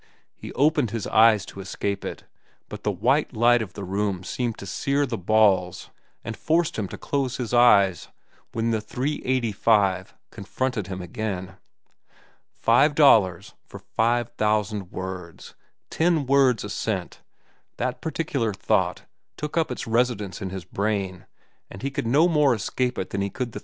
He opened his eyes to escape it, but the white light of the room seemed to sear the balls and forced him to close his eyes, when the "$3.85" confronted him again. Five dollars for five thousand words, ten words for a cent—that particular thought took up its residence in his brain, and he could no more escape it than he could the "$3.